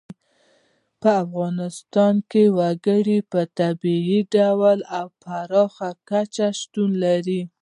په افغانستان کې وګړي په طبیعي ډول او پراخه کچه شتون لري.